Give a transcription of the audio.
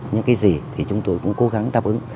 những cái gì thì chúng tôi cũng cố gắng đáp ứng